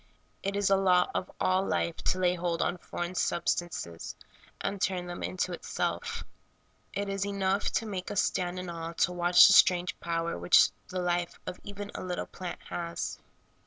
It is a law of all life to lay hold on foreign sub stances and turn them into itself. It is enough to make us stand in awe to watch the strange power which the life of even a little plant has.